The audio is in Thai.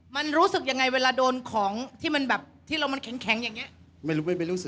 มันรู้สึกยังไงเวลาโดนของที่มันแบบที่เรามันแข็งอย่างเงี้ยไม่รู้ไม่รู้สึก